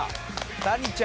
谷ちゃん。